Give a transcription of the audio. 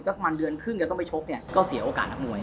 ประมาณเดือนครึ่งจะต้องไปชกเนี่ยก็เสียโอกาสนักมวย